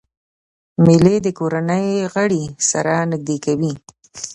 مېلې د کورنۍ غړي سره نږدې کوي.